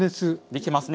できますね。